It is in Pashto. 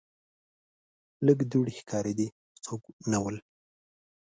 لږ دوړې ښکاریدې خو څوک نه ول.